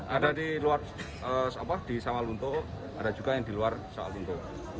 ada di luar apa di salalunto ada juga yang di luar salalunto